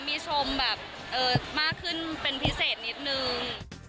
มีชมแบบมากขึ้นเป็นพิเศษนิดนึง